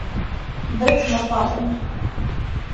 Врт на фарми.